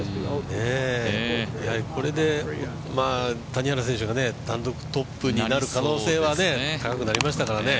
これで谷原選手が単独トップになる可能性は高くなりましたからね。